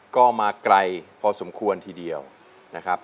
ก็มาไกลพอสมควรทีเดียวนะครับ